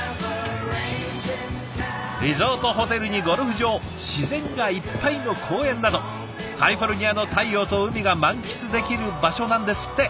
リゾートホテルにゴルフ場自然がいっぱいの公園などカリフォルニアの太陽と海が満喫できる場所なんですって。